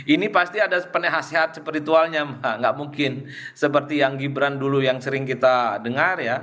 ini pasti ada penasehat spiritualnya nggak mungkin seperti yang gibran dulu yang sering kita dengar ya